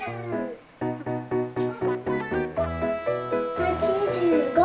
８５。